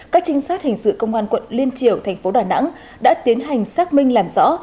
các trinh sát hình sự công an quận liên triều thành phố đà nẵng đã tiến hành xác minh làm rõ